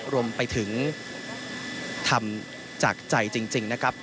รวมไปถึงทำจากใจจริงนะครับ